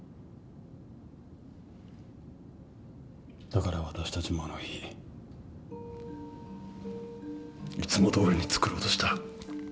だから私たちもあの日いつもどおりに作ろうとした。